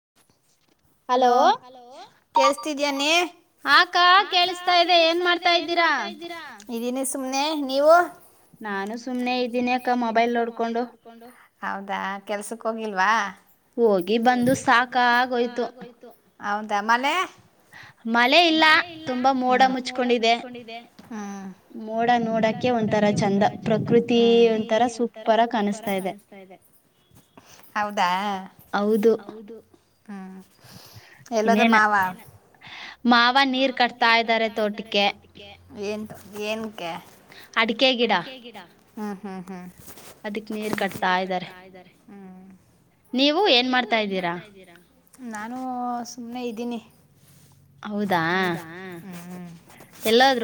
[inaudible] Hello. ಕೇಳಸ್ತಿದಯ ನೀ ಆಕ ಕೇಳಿಸತಾ ಇ ಏನ್ ಮಾಡ್ತಾ ಇದ್ದೀರಾ. ಇದೀನಿ ಸುಮ್ನೆ ನೀವು. ನಾನು ಸುಮ್ನೆ ಇದ್ದೀನಿ ಅಕ್ಕ ಮೊಬೈಲ್ ನೋಡ್ಕೊಂಡು. ಹೌದಾ ಕೆಲ್ಸಕ್ ಹೋಗಿಲ್ವಾ. ಹೋಗಿ ಬಂದು ಸಕ. ಸಾಕಾಗೋಯ್ತು ಹೌದ ಮಲೆೆ. ಮಳೆ ಇಲ್ಲ ಸ್ವಲ್ಪ ಮೋಡ ಮುಚ್ಕೊಂಡಿದೆ. ಮೋಡ ನೋಡಕ ಒಂತರ ಚಂದ ಪ್ರಕೃತಿ ಒಂತರ ಸೂಪರ ಕಾಣಿಸ್ತಾ ಇದೆ. ಹೌದಾ, ಹೌದು ಹ್ಮ್. ಎಲ್ಲದ ಮಾವ ಮಾವ ನೀರ್ ಕಟ್ತಾ ಇದ್ದಾರೆ ತೋಟ. ಏ ಏನ್ಕ್ಕೆ ಅಡಿಕೆಗಿಡ ಹ್ಮ ಹ್ಮ ಹ್ಮ್. ಅದಕ್ ನೀರ್ ಕಟ್ತಾ ಇದ್ದಾರೆ ನೀವು ಏನ್ ಮಾಡ್ತಾ ಇದ್ದೀರಾ. ನಾನು ಸುಮ್ಮ್ನೆ ಇದ್ದೀನಿ. ಹೌದಾ, ಹ್ಮ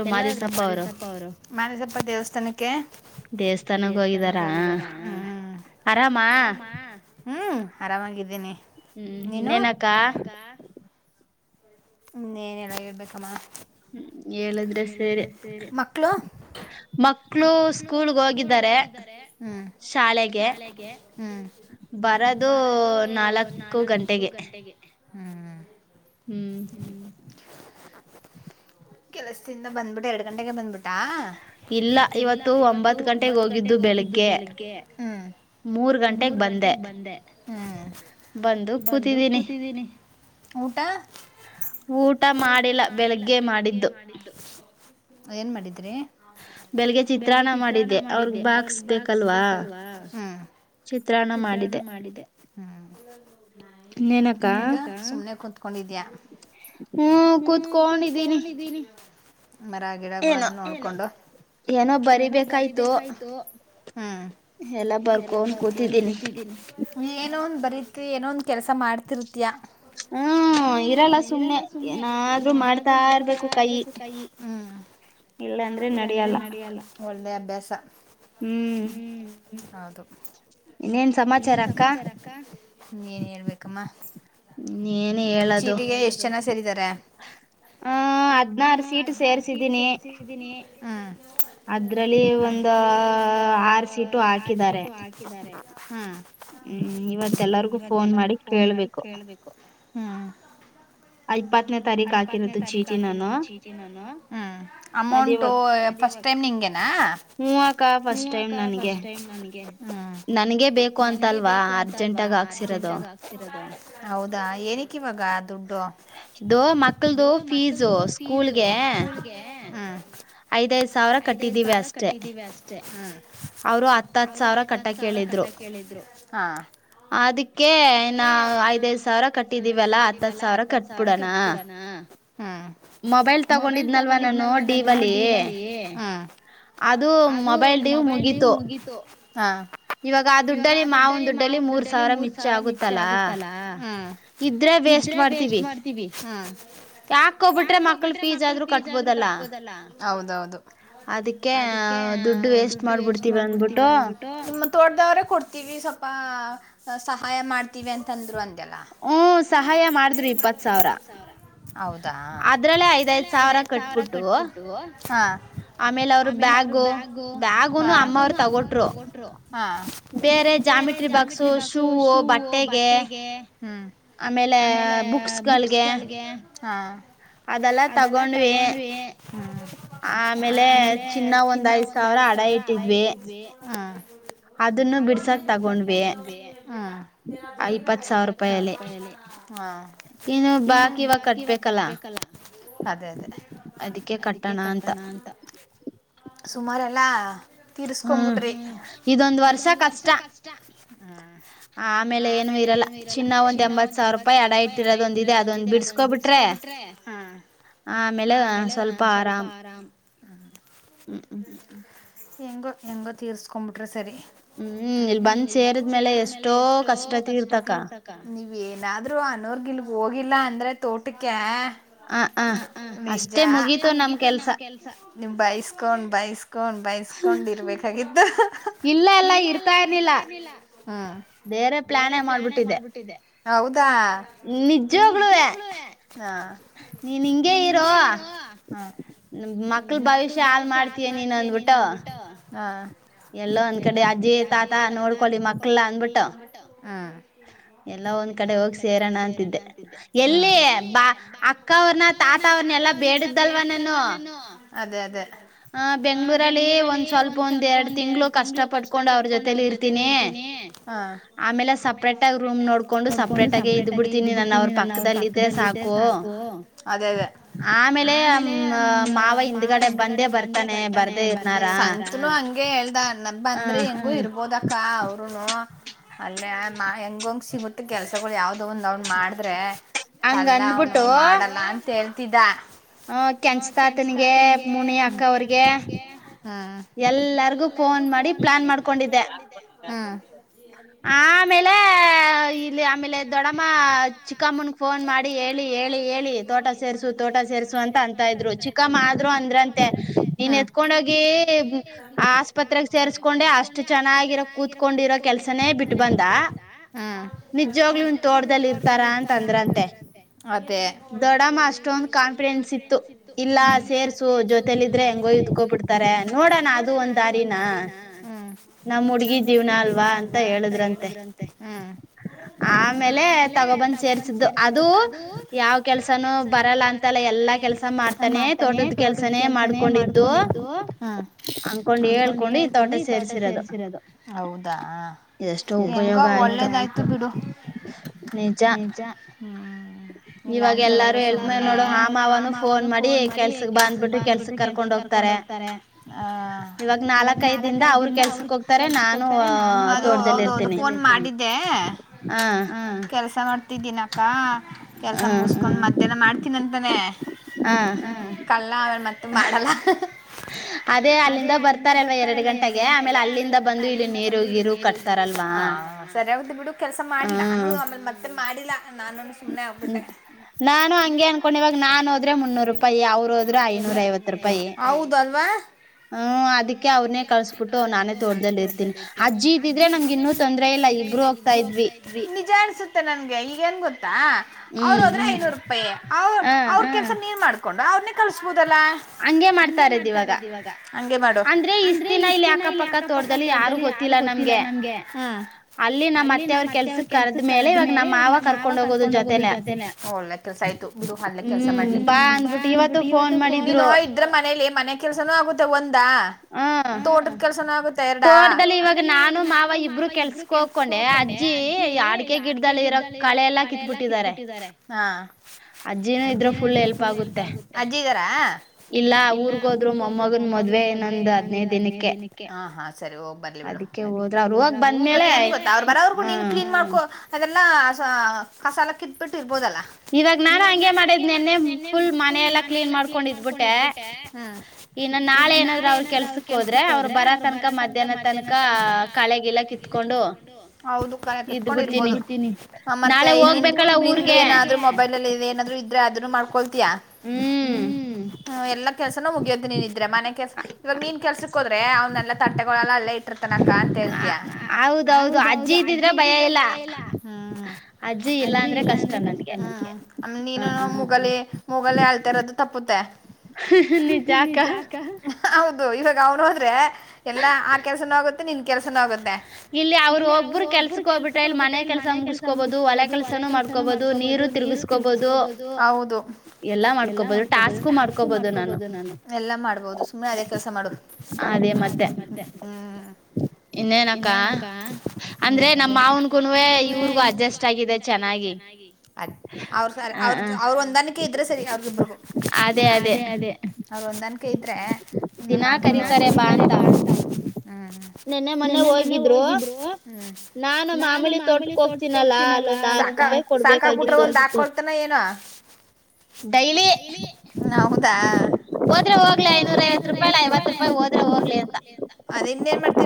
ಎಲ್ಲೊದ್ರು ಮಾದಿತಪ್ಪ ಅವರು ಮಾನಸಪ್ಪ ದೇವಸ್ಥಾನಕ್ಕೆ. ದೇವಸ್ಥಾನಕ್ಕಹೋಗಿದ್ದಾರ ಆರಾಮ ಹ್ಮ್, ಆರಾಮಾಗಿದ್ದೀನಿ ನೀನು [unintelligible] ನ್ನನಕ್ಕ ಇನ್ನೇನುಇಲ್ಲ ಹೇಳ್ಬೇಕಮ್ಮ. ಹ್ಮ್ ಹೇಳಿದ್ರೆ ಸೇರಿ [inaudible] ಮಕ್ಕಳು ಸ್ಕೂಲ್ಗೆ ಹೋಗಿದ್ದಾರೆ ಶಾಲೆಗೆ. ಬರದು ನಾಲ್ಕ್ ಗಂಟೆಗೆ. ಹ್ಮ್, ಹ್ಮ್, ಕೆಲಸದಿಂದ ಬಂದ್ಬಿಟ್ಟು ಎರಡು ಗಂಟೆಗೆ ಬಂದ್ಬಿಟ್ಟಾ. ಇಲ್ಲ ಇವತ್ತು ಒಂಬತ್ ಗಂಟೆಗೆ ಹೋಗಿದ್ದು ಬೆಳಿಗ್ಗೆ. ಮೂರ್ ಗಂಟೆಗೆ ಬಂದೆ ಬಂದು ಕೂತಿದ್ದೀನಿ. ಊಟ ಊಟ ಮಾಡಿಲ್ಲ ಬೆಳಗ್ಗೆ ಮಾಡಿದ್ದು. ಏನ್ ಮಾಡಿದ್ರಿ ಬೆಳಿಗ್ಗೆ ಚಿತ್ರನ್ನ ಮಾಡಿದ್ದೆ ಅವ್ರ ಬಾಕ್ಸಿಗೆ ಹಾಕಬೇಕಲ್ವಾ. ಚಿತ್ರನ್ನ ಮಾಡಿದೆ. ಈಗ ಸುಮ್ನೆ ಕುತ್ಕೊಂಡ್ ಕುತಕೊಂಡಿದ್ದಿಯ ಹ್ಮ್, ಕುತ್ಕೊಂಡಿದ್ದೀನಿ ಮರಾಗಿಡಗಳನ್ನು ನೋಡಕೊಂಡು. ಏನೋ ಬರಿಬೇಕಾಯ್ತು ಹ್ಮ್, ಎಲ್ಲ ಬರ್ದುಕೊಂತ ಕುತಿದ್ದೀನಿ. ಏನೋ ಒಂದ್ ಬರಿತಿ ಏನೊಂದ ಕೆಲಸ ಮಾಡ್ತಿರ್ತೀಯಾ... ಹ್ಮ್, ಇರಲ್ಲ ಸುಮ್ನೆ ಏನಾದ್ರು ಮಾಡ್ತಾ ಇರ್ಬೇಕು. ಇರ್ಬೇಕು ಕೈ ಹ್ಮ್, ಇಲ್ಲಂದ್ರೆ ನಡಿಯಲ್ಲ ಒಳ್ಳೆ ಅಭ್ಯಾಸ. ಹ್ಮ್, ಹೌದು ಎನ್ ಸಮಾಚಾರ ಅಕ್ಕ ಏನ್ ಹೇಳ್ಬೇಕಮ್ಮ. ಚೀಟಿಗೆ ಎಷ್ಟ್ ಜನ ಸೇರಿದ್ದಾರೆ. ಆ ಹದ್ನಾರು ಸೀಟ್ ಅದ್ನಾರ್ ಸೀಟ್ ಸೇರ್ರಿಸಿಟ್ಟಿದ್ದೀನಿ. ಹ ಅದ್ರಲ್ಲಿ ಒಂದು ಆರು ಸೀಟು ಹಾಕಿದ್ದಾರೆ. ಹಾ ಹ್ಮ್, ಇವತ್ತ ಎಲ್ಲರಿಗೂ ಫೋನ್ ಮಾಡಿ ಕೇಳ್ಬೇಕು. ಕೇಳ್ಬೇಕು ಹ್ಮ್, ಇಪ್ಪತ್ತನೇ ತಾರೀಕು ಹಾಕಿರೋದು ಚೀಟಿ ನಾನು ಹ್ಮ, ಅಮೌಂಟು ಫಸ್ಟ್ ಟೈಮ್ ಹಿಂಗೆನಾ ಹ್ಮ್, ಅಕ್ಕ ಫಸ್ಟ್ ಟೈಮ್ ನನ್ಗೆ. ನನ್ಗೆ ಬೇಕು ಅಂತಲ್ವಾ ಅರ್ಜೆಂಟಿಗೆ ಆಗ್ತಿರೋದು ಹೌದಾ ಏನಿಕ್ಕಿವಾಗ ದುಡ್ಡು. ಇದು ಮಕ್ಕಳದು ಫೀಸು ಸ್ಕೂಲ್ಗೆ ಹ್ಮ್, ಐದೈದ್ ಸಾವಿರ ಕಟ್ಟಿದ್ದೀವಿ ಅಷ್ಟೇ, ಹ ಅವರು ಹತ್ತ ಹತ್ ಸಾವಿರ ಕಟ್ಟ ಕೇಳಿದ್ರು. ಹಾ ಅದಕ್ಕೆ ನಾ ಐದೈದ್ ಸಾವಿರ ಕಟ್ಟಿದೀವಲ್ಲಾ ಹತ್ತತ್ ಸಾವಿರ ಕಟ್ಬಿಡಣ. ಹಾ, ಮೊಬೈಲ್ ತಗೊಂಡಿದ್ನಲ್ವ ನಾನು ಡೀಬಲ್ಲಿ. ಅದು ಮೊಬೈಲ್ ಡ್ಯೂಮುಗೀತು. [unintelligible] ಹಾ. ಇವಾಗ ಆ ದುಡ್ಡಲ್ಲಿ ಮಾವನ ದುಡ್ಡಲ್ಲಿ ಮೂರ ಸಾವಿರ ಮಿಚ್ಚ ಆಗುತ್ತಲ್ಲಾ. ಇದ್ರೆ ವೇಸ್ಟ ಮಾಡ್ತೀವಿ ಹಾ. ಯಾಕ ಹೋಗ್ಬಿಟ್ಟರೇ ಮಕ್ಕಳ ಫೀಸ್ ಆದ್ರೂ ಕಟ್ಟಬಹುದು ಅಲ್ಲಾ ಹೌದೌದು. ಅದಕ್ಕೆ ದುಡ್ಡು ವೇಸ್ಟ್ ಮಾಡ್ಬಿಡ್ತೀವಿ ಅಂದಬಿಟ್ಟು. ನಿಮ್ಮ ತೋಡದವ್ರೆ ಕೊಡ್ತೀವಿ ಸ್ವಲ್ಪ ಸಹಾಯ ಮಾಡ್ತೀವಿ ಅಂತಂದ್ರು ಅಂತ. ಎಲ್ಲಾ ಹು ಸಹಾಯ ಮಾಡಿದರೇ ಇಪ್ಪತ್ತು ಸಾವಿರ ಹೌದ. ಹ ಅದ್ರಲ್ಲೇ ಐದ್ಐದ್ ಸಾವಿರ ಕಟ್ಬಿಟ್ಟು ಹ. ಆಮೇಲೆ ಅವರು ಬ್ಯಾಗು ಬ್ಯಾಗುನು ಅಮ್ಮ ಅವರು ತಗೊಟ್ರು. ಬೇರೆ ಜಾಮಿಟ್ರಿ ಬಾಕ್ಸು ಶೂವು ಬಟ್ಟೆಗೆ ಹ್ಮ್. ಆಮೇಲೆ ಬುಕ್ಸ್ ಗಳಿಗೆ. ಹಾ. ಅದೆಲ್ಲ ತಗೊಂಡ್ವಿ ಹಾ ಆಮೇಲೆ ಚಿನ್ನ. ಐದ ಸಾವಿರ ಅಡ ಇಟ್ಟಿದ್ವಿ ಹಾ. ಅದನ್ನ ಬಿಡ್ಸಾಕ ತಗೊಂಡೆವೇ ಹಾ ಇಪ್ಪತ್ತು ಸಾವಿರ ರೂಪಾಯಲ್ಲಿ. ಹಾ. ಇನ್ನು ಬಾಕಿ ಇವಾಗ ಕಡ್ತಿ. ಇವಾಗ ಕಟ್ಟಬೇಕಲ್ಲ ಅದೇ ಅದೇ ಅದಕ್ಕೆ ಕಟ್ಟೋಣ ಅಂತ. ಸುಮಾರ ಎಲ್ಲಾ. ತಿರುಸ್ಕೊಂಡ್ಬಿಟ್ಟರೆ ಇದೊಂದ ವರ್ಷ ಕಷ್ಟ ಹಾ. ಆಮೇಲೆ ಏನು ಇರಲ್ಲಾ ಚಿನ್ನ ಒಂದ ಎಂಬತ್ತ ಸಾವಿರೂಪಾಯಿ ಅಡ ಇಟ್ಟಿರೋದೊಂದ ಇದೆ ಅದೊಂದು ಬಿಡಿಸ್ಕೊ ಬಿಟ್ರೆ. ಕೊಟ್ಟುಬಿಟ್ಟರೇ ಹ ಆ ಆಮೇಲೆ ಸ್ವಲ್ಪ ಆರಾಮ್ ಹಾ. ಹೆಂಗೋ ಹೆಂಗೋ ತಿರಿಸ್ಕೊ ಬಿಟ್ರೆ ಸರಿ. ಹ್ಮ ಇಲ್ಲ ಬಂದ ಸೇರದ್ಮೇಲೆ ಎಷ್ಟೋ ಕಷ್ಟ ತೀರ್ತಕ್ಕ. ನೀವ ಏನಾದ್ರು ಅನೋರ್ಗಿಲ್ಗ್ ಹೋಗಿಲ್ಲ ಅಂದ್ರೆ ತೋಟಕ್ಕೆ. ಆ ಆ. ನಿಜಾ ಅಷ್ಟೇ ಮುಗೀತು ನಮ್ಮ ಕೆಲ್ಸ ನಿಮ ಬೈಸ್ಕೊಂಡು ಬೈಸ್ಕೊಂಡ್ ಬೈಸ್ಕೊಂಡು ಇರ್ಬೇಕು. ತಗದು ಇಲ್ಲಾ ಇಲ್ಲಾ ಇರ್ತಾ ಇರ್ಲಿಲ್ಲ ಹ್ಮ್. ಬೇರೆ ಪ್ಲಾನೇ ಮಾಡ್ಬಿಟ್ಟಿದ್ದೆ. ಹೌದಾ. ನಿಜಾಗ್ಳುವೆ. ಹಾ ನೀನ್ ಹಿಂಗೆ ಇರು ಹ. ಮಕ್ಕಳ ಭವಿಷ್ಯ ಹಾಳ ಮಾಡ್ತೀಯ ನೀನ್ ಅಂದ್ಬಿಟ್ಟು. ಎಲ್ಲೋ ಒಂದ ಕಡೆ ಅಜ್ಜಿ ತಾತಾ ನೋಡ್ಕೊಳ್ಳಿ ಮಕ್ಕಳ ನಾ ಅಂದ್ಬಿಟ್ಟು. ಹಾ. ಎಲ್ಲೊ ಒಂದ್ ಕಡೆ ಹೋಗಿ ಸೇರೋಣ ಅಂತಿದ್ದೆ ಎಲ್ಲಿ. ಬಾ ಅಕ್ಕವ್ರನ ತಾತ ಅವ್ರನ್ನ ಎಲ್ಲಾ ಬೇಡಿದ್ದಲ್ವ ನಾನ. ಅದೇ ಅದೇ. ಹ ಬೆಂಗ್ಳೂರಲ್ಲಿ ಒಂದ್ ಸ್ವಲ್ಪ ಒಂದ್ ಎರಡ ತಿಂಗ್ಗಳು ಕಷ್ಟ ಪಡ್ಕೊಂಡ್ ಅವ್ರ ಜೊತೇಲಿ ಇರ್ತೀನಿ. ಹ ಆಮೇಲೆ ಸಪ್ರೇಟ್ ಆಗ ರೂಮ್ ನೋಡ್ಕೊಂಡು ಸಪ್ರೇಟ್ ಆಗ ಇದ್ ಬಿಡ್ತೀನಿ ನನ್ನ ಅವ್ರ ಪಕ್ಕ. ಪಕ್ಕದಲ್ಲಿ ಇದ್ರೆ ಸಾಕು ಅದೇ ಅದೇ. ಆಮೇಲೆ ಮಾವ ಹಿಂದಗಡೆ ಬಂದೇ ಬರ್ತಾನೆ ಬರ್ದೇ ಇರ್ತಾರ. ಹಂಗೆ ಹೇಳ್ದ ನಮ್ಮ ಬಂದ್ರೆ ಹೆಂಗೋ ಇರ್ಬೋದಕ್ಕ ಅವರುನು. ಅಲ್ಲೇ ಮಾ ಹೆಂಗ್ ಹೆಂಗ್ ಸಿಗುತ್ತೋ ಕೆಲ್ಸಗಳನ್ನ ಯಾವ್ದೋ ಒಂದ ಮಾಡಿದ್ರೆ. ಕಳ್ಳ ಅವನು ಮಾಡಲ್ಲ ಅಂತ ಹೇಳ್ತಿದ್ದ. ಹ ಕೆಂಚ ತಾತನಿಗೆ ಮುನಿ ಅಕ್ಕ ಅವ್ರಿಗೆ ಹ್ಮ್ ಎಲ್ಲಾರ್ಗು ಫೋನ್ ಮಾಡಿ ಪ್ಲಾನ್ ಮಾಡ್ಕೊಂಡಿದ್ದೆ ಆ ಆಮೇಲೆ ಇಲ್ಲಿ ಆಮೇಲೆ ದೊಡಮ್ಮ ಚಿಕ್ಕಮ್ಮನ ಫೋನ್ ಮಾಡಿ ಹೇಳಿ ಹೇಳಿ ಹೇಳಿ ತೋಟ ಸೇರ್ಸು ತೋಟ ಸೇರ್ಸು ಅಂತ ಅಂತ ಇದ್ರು ಚಿಕ್ಕ ಚಿಕ್ಕಮ್ಮ ಆದ್ರೂ ಅಂದ್ರಂತೆ ನೀನ್ ಎತ್ಕೊಂಡೋಗಿ ಆಸ್ಪತ್ರೆಗ್ ಸೇರ್ಸ್ಕೊಂಡೆ ಅಷ್ಟು ಚೆನ್ನಾಗಿರೋ ಕೂತ್ಕೊಂಡಿರೋ ಕೆಲ್ಸನೇ ಬಿಟ್ಟ ಬಂದ ನಿಜಲೂ ಇನ್ ತೋಡ್ದದಲ್ಲಿ ಇರ್ತಾರಾ ಅಂತ ಅಂದ್ರ ಅಂದ್ರಂತೆ ಅದೇ ದೊಡಮ್ಮ ಅಷ್ಟೊಂದ್ ಕಾನ್ಫಿಡೆನ್ಸ್ ಇತ್ತು ಹುಂ ಇಲ್ಲ ಸೇರ್ಸು ಜೊತೇಲಿ ಇದ್ರೆ ಹೆಂಗಕ ನೋಡೋಣ ಅದು ಒಂದ ದಾರಿನ ನಮ್ ಹುಡ್ಗಿ ಜೀವ್ನ ಅಲ್ವಾ ಅಂತ ಹೇಳುದ್ರಂತೆ ಮ ಹ್ಮ ಆಮೇಲೆ ತಗೋಬಂದ್ ಸೇರ್ಸಿದ್ದು ಅದು ಯಾವ ಕೆಲಸನೂ ಬರಲ್ಲ ಅಂತಲ್ಲ ಎಲ್ಲಾ ಕೆಲಸನು ಮಾಡ್ತಾನೆ ತೋಟದ ಕೆಲ್ಸನೇ ಮಾಡ್ಕೊಂಡಿದ್ದು ಅನ್ಕೊಂಡ್ ಹೇಳ್ಕೊಂಡು ಈ ತೋಟ ಸೇರ್ರಿಸಿರೋದು ಎಷ್ಟೋ ಉಪಯೋಗ ಆಯ್ತು ನಿಜಾ ಹ್ಮಾ [unintelligible] ಮಾಮ ಫೋನ್ ಮಾಡಿ ಕೆಲಸಕ್ಕೆ ಬಾ ಅಂದುಬಿಟ್ಟು ಕೆಲಸಕ್ಕೆ ಕರ್ಕೊಂಡು ಇವಾಗ ನಾಲ್ಕ ಐದಿಂದ ಅವ್ರ ಕೆಲ್ಸಕ್ ಹೋಗ್ತಾರೆ ನಾನು ಹೌದು ಹೌದು ಫೋನ್ ಮಾಡಿದ್ದೆ ಹ್ಮ ಕೆಲಸ ಮಾಡ ಹತಿದ್ದೀನಪ್ಪ ಕೆಲ್ಸ ಮುಗಿಸಕೊಂಡ್ ಮಧ್ಯಾಹ್ನ ಮಾಡ್ತೀನ್ಂತಾನೆ ಹಾ ಹ್ಮ್ ಕಲ್ಲ ಅವ ಮತ್ತ ಮಾಡಲ್ಲ ಅದೇ ಅಲ್ಲಿಂದ ಬರ್ತಾರಲ್ವಾ ಎರಡ್ ಗಂಟೆಗೆ ಆಮೇಲೆ ಅಲ್ಲಿಂದ ಬಂದು ಇಲ್ಲಿ ನೀರು ಗಿರು ಕಟ್ತಾರೆ ಸರಿಆತದ ಬಿಡು ಕೆಲಸ ಮಾಡಿ ನಾನು ಆಮೇಲೆ ಮತ್ತೆ ಮಾಡಿಲ್ಲಾ ನಾನು ಸುಮ್ನೆ ಆಗ್ಬಿಟ್ಟೆ ನಾನು ಹಂಗೆ ಅನ್ಕೊಂಡ ಇವಾಗ ನಾನ್ ಹೋದ್ರೆ ಮುನ್ನೂರು ರೂಪಾಯಿ ಅವ್ರು ಹೋದ್ರೆ ಐನೂರ ಐವತ್ತು ರೂಪಾಯಿ ಹ್ಮ್ ಅದಕ್ಕೆ ಅವ್ರನೇ ಕಳ್ಸಬಿಟ್ಟು ನಾನೇ ತೋಟ್ದದಲ್ಲಿ ಇರ್ತೀನಿ ಅಜ್ಜಿ ಇದಿದ್ರೆ ನಮ್ಗೆ ಇನ್ನೂ ತೊಂದರೆ ಇಲ್ಲ ಇಬ್ರು ಆತಾ ಇದ್ವಿ ನಿಜ ಅನ್ಸುತ್ತೆ ನನ್ಗೆ ಈಗೇನ್ ಗೊತ್ತಾ ಅವರು ಹದ್ರೆ ಐನೂರು ರೂಪಾಯಿ ಅವ್ರ ಕೆಲ್ಸ ನೀರ್ ಮಾಡ್ಕೊಂಡ ಅವ್ರನ್ನೇ ಕಳಸಬಹುದಲ್ಲಾ ಹಂಗೆ ಮಾಡ್ತಾರದು ಇವಾಗ ಹ ಮಾಡುವ ಅಂದ್ರೆ ಇಷ್ಟ ದಿನ ಇಲ್ಲಿ ಅಕ್ಕಪಕ್ಕ ತೋಟದಲ್ಲಿ ಯಾರು ಗೊತ್ತಿಲ್ಲ ನಮ್ಗೆ ಅಲ್ಲಿ ನಮ್ಮ್ ಅತ್ತೆ ಅವ್ರ ಕೆಲ್ಸ ಕರೆದ ಮೇಲೆ ನಮ್ಮ್ ಮಾವ ಕರ್ಕೊಂಡ್ ಹೋಗೋದು ಜೊತೆೇನೆ ಒಳ್ಳೆ ಕೆಲ್ಸ ಆಯ್ತು ಬಿದು ಹಳ್ಳೆ ಕೆಲ್ಸ ಮಾಡ್ಲಿ ಬಿಟ್ಟವ ನೋ ಇದ್ರೆ ಮನೇಲಿ ಮನೆ ಕೆಲ್ಸನೂ ಆಗುತ್ತೆ ಒಂದಾ ತೋಟದ ಕೆಲ್ಸನ ಆುತ್ತೆ ಎರಡೋವಾಗ ನಾನು ಮಾವ ಇಬ್ರು ತೋಟದಲ್ಲಿ ನಾನು ಮಾವಯ್ಯ ಹೋಗಕೊಂಡೆ ಅಜ್ಜಿ ಅಡಿಕ ಗಿಡ್ ದಲ್ಲಿ ಡ್ದಳ ಇರ ಕಳೆಲ್ಲಾ ಕಿತ್ಬಿಟ್ಟಿದ್ದಾರೆ ಅಜ್ಜಿನ ಇದ್ರೆ ಫುಲ್ ಹೆಲ್ಪ್ ಆಗುತ್ತೆ ಅಜ್ಜಿಗಾರಾ ಇಲ್ಲ ಊರ್ಗ ಹೋದ್ರು ಮೊಮ್ಮಗನ್ ಮದ್ವೆ ಮದ್ವೆ ನಂದ್ ಹದ್ನೇ ದಿನಕ್ಕೆ ಸರಿ ಹೋಗ್ ಬರ್ಲಿ ಬಿಡು ಅದಕ್ಕೆ ಹೋದ್ರ [unintelligible] ಅವ್ರು ಬರೋವ್ರಗೂ ನೀನು ಕ್ಲೀನ್ ಮಾಡ್ಕೊ ಅದೆಲ್ಲ ಕಸಾಲ ಕಿತ್ಬಿಟ್ಟು ಇರ್ಬೋದಲ್ಲಾ ಇವಾಗ ನಾನು ಹಂಗೆ ಮಾಡಿದ್ ನಿೆನ್ನೆ ಫುಲ್ ಮನೆೆಲ್ಲಾ ಕ್ಲೀನ್ ಮಾಡ್ಕೊಂಡ ಇದ್ಬಿಟ್ಟೆ ಇನ್ನ ನಾಳೆ ಏನಾದ್ರರು ಅವ್ರ ಕೆಲ್ಸಕ್ ಹೋದ್ರೆ ಅವ್ರು ಬರ ತನಕ ಮಧ್ಯಾಹ್ನ ತನಕ ಕಳೆಗಿಳೆಕಿತ್ತು ಕೊಂಡು. ಹೌದು ಕಣೆ ಕಿತ್ಕೊಂಡಿರ್ಬೋದು ಹ ಮತ್ತೆ ನೀನು ಹೋಗ್ಬೇಕಾ. ಏನಾದ್ರು ಮೊಬೈಲ ಅಲ್ಲಿ ಏನಾದ್ರು ಇದ್ರೆ ಅದನ್ನು ಮಾಡ್ಕೊಳ್ತಿಯಾ ಹು ಹು ಇಲ್ಲಾ. ಕೆಲಸಾನು ಮುಗಿಯೋತೆ ನಿ ನಿದ್ರೆ ಮನೆ ಕೆಲಸ. ಇವಾಗ ನಿನ ಕೆಲ್ಸಕ್ಕ ಹೋದ್ರೆ ಅವನ್ನೆಲ್ಲಾ ತಟ್ಟೆಗಳೆಲ್ಲಾ ಎಲ್ಲಾ ಅಲ್ಲೇ ಇಟ್ಟಿರ್ತನಕ್ಕಾ ಅಂತ ಹೇಳ್ತಿಯಾ. ಹೌದು ದೌದು ಅಜ್ಜಿ ಇದ್ದಿದ್ರೆ ಭಯಾ ಇಲ್ಲಾ. ಹು ಅಜ್ಜಿ ಇಲ್ಲಾ ಅಂದ್ರೆ ಕಷ್ಟ ನಮಗೆ ಆ ಆಮೇಲೆ ನೀನು ಮುಗಲಿ ಮೂಗಲ್ಲೆ ಅಳ್ತಾಯಿರೋದು ತಪ್ಪುತ್ತೆ ನಿಜಾ ಅಕ್ಕಾ. ಹೌದು ಇವಾಗ ಅವ್ನ ಹೋದ್ರೆ ಎಲ್ಲಾ ಆ ಕೆಲ್ಸನು ಆಗುತ್ತೆ ನಿನ ಕೆಲ್ಸನೂ ಆಗುತ್ತೆ. ಇಲ್ಲಿ ಅವ್ರ ಒಬ್ಬರು ಕೆಲ್ಸಕ ಹೋಗಬಿಟ್ರೆ ಇಲ್ಲಿ ಮನೆ ಕೆಲ್ಸ. ಸ್ಸಾ ಮುಗಿಸ್ಕೋಬಹುದು ವಲೆ ಕೆಲಸನೂ ಮಾಡ್ಕೋಬಹುದು ನೀರು ತಿರುಗಿಸ್ಕೊಬಹುದು. ಎಲ್ಲಾ ಮಾಡ್ಕೋಬಹುದು ಟಾಸ್ಕ ಮಾಡ್ಕೋಬಹುದು ನಾನು. ಎಲ್ಲ ಮಾಡ್ಬೋದು ಸುಮ್ಮ್ನೆ ಅದೇ ಕೆಲಸ ಮಾಡು ಅದೇ ಮತ್ತೆ ಹು ಇನ್ನೇನಕ್ಕಾ ಅಂದ್ರೆ ನಮ್ಮ ಮಾವನ್ಗೂನುವೇ ಇವ್ರಿಗೂ ಅಡ್ಜಸ್ಟ್ ಆಗಿದೆ ಚೆನ್ನಾ ದೆ ಚೆನ್ನಾಗಿ ಅದ. ಅವ್ರ ಸರ ಅವರದ ಅವರು ಒಂದಾಣಿಕೆ ಇದ್ರೆ ಸರಿ ಅವ್ರಗಿಬ್ರಗೂ ಅದೇ ಅದೇ. ಅವರ ಹೊಂದಾಣಿಕೆ ಇದ್ರೆ ಸುಮ್ಮನೆ ಮಾಡಕೊಂಡ ದಿನಾ ತೆಗಿತಾರೆ ಬಟ್ಲು ಹು ಹು ನೆನ್ನೆ ಮೊನ್ನೆ ಹೋಗಿದ್ರು. ನಾನು ಮಾಮೂಲಿ ತೋಟ. ಊಟಕ್ಕ ಹೋಗ್ತೀನಲ್ಲಾ ಅಲ್ಲೊಂದ ಹತ್ತ ರೂಪಾಯಿ ಕೊಡ್ಬೇಕಾಗಿತ್ತು. ಡೈಲಿ ಹೌದಾ ಹೋದ್ರೆ ಹೋಗ್ಲಿ ಐನೂರಾ ಐವತ್ತು ರೂಪಾಯಿ ಐವತ್ತು ರೂಪಾಯಿ ಹೋದ್ರೆ ಹೋಗ್ಲಿ ಅಂತ ಅದ ಇನ್ನ ಏನ್ ಮಾಡ್ತ.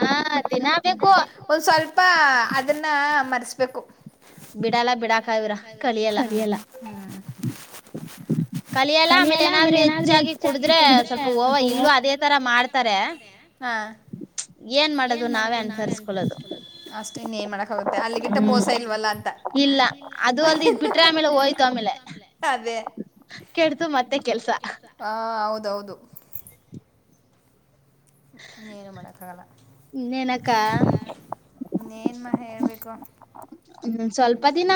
ಹಾ ದಿನಾಬೇಕು. ಒಂದ ಸ್ವಲ್ಪ. ಅದನ್ನ ಮರ್ಸ್ಬೇಕು ಬಿಡಲ್ಲಾ ಬಿಡಾಕಾದ್ರ ಕರಿಲ್ಲಾ. ಹಾ ಕಲಿಯಲ್ಲಾ ಆಮೇಲೆ ಏನಾದ್ರು ಹೆಚ್ಚಾಗಿ ಕುಡಿದ್ರೆ ಸ್ವಲ್ಪ ಓ ಇಲ್ಲ ಅದೇ ತರಾ ಮಾಡ್ತಾರೆ. ಹಾ ಏನ್ ಮಾಡೋದು ನಾವೇ ಅನುಸರಿಸಸ್ಕೊಳ್ಳೋದು. ಅಷ್ಟೇ ಇನ್ನು ಏನ್ ಮಾಡಾಕ ಆಗುತ್ತೆ ಅಲ್ಲಿಗಿಂತ ಮೋಸ ಇಲ್ವಲ್ಲಾ ಅಂತಾ. ಇಲ್ಲಾ ಅದು ವಂದಿಟು ಬಿಟ್ರೆ ಆಮೇಲೆ ಹೋಯ್ತು ಆಮೇಲೆ ಅದೇ. ಕೆಡ್ತು ಮತ್ತೆ ಕೆಲಸಾ. ಹಾ ಹೌದು ದೌದು ಇನ್ನೇನ್ನೂ ಮಾಡೋಕಾಗಲ್ಲಾ. ಇನ್ನೇನಕ್ಕಾ ಇನ್ನೇಮಾ ಹೇಳ್ಬೇಕು. ಹು ಸ್ವಲ್ಪ ದಿನಾ.